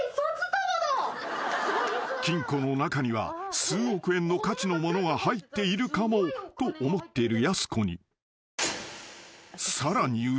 ［金庫の中には数億円の価値のものが入っているかもと思っているやす子に］